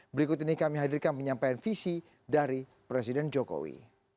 berikut ini kami hadirkan penyampaian visi dari presiden jokowi